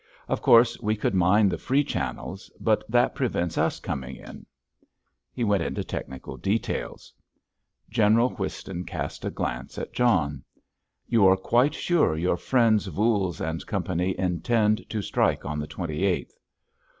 Of course, we could mine the free channels, but that prevents us coming in." He went into technical details. General Whiston cast a glance at John. "You are quite sure your friends Voules and Company intend to strike on the twenty eighth?"